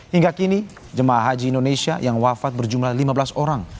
hingga kini jemaah haji indonesia yang wafat berjumlah lima belas orang